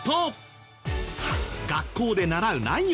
学校で習う内容